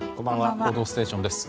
「報道ステーション」です。